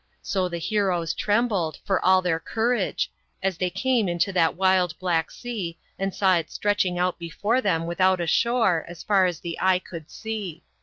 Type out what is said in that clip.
So the heroes trembled, for all their courage, as they came into that wild Black Sea and saw it stretching out before them without a shore, as far as the eye could see.